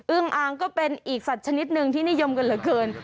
อ่างก็เป็นอีกสัตว์ชนิดหนึ่งที่นิยมกันเหลือเกิน